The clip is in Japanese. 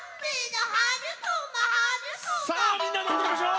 さあみんなで踊りましょう！